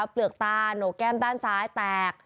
เปลือกตาโหนกแก้มด้านซ้ายแตก